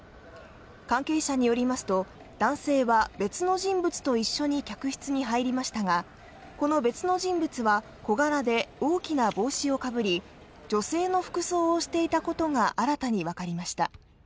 関係者によりますと、男性は別の人物と一緒に客室に入りましたがこの別の人物は小柄で大きな帽子をかぶり、女性の服装をしていたことが新たにわかりました。